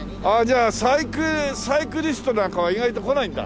じゃあサイクリストなんかは意外と来ないんだ？